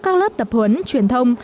các lớp tập huấn truyền thông